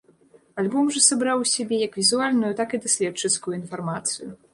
Альбом жа сабраў у сябе як візуальную, так і даследчыцкую інфармацыю.